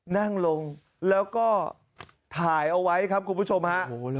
นั่งลงแล้วก็ถ่ายเอาไว้ครับคุณผู้ชมฮะ